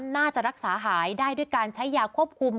น่าจะรักษาหายได้ด้วยการใช้ยาควบคุม